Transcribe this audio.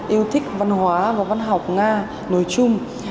yêu thích văn hóa và văn học nga nói chung